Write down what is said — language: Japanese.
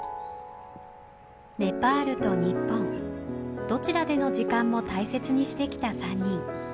ネパールと日本どちらでの時間も大切にしてきた３人。